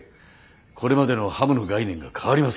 これまでのハムの概念が変わりますから。